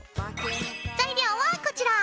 材料はこちら。